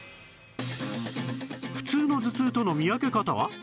普通の頭痛との見分け方は？